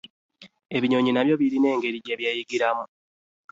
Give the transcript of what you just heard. Ebinyonyi n'abyo birina engeri gy'ebyeyiggiramu